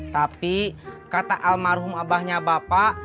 tapi kata almarhum abahnya bapak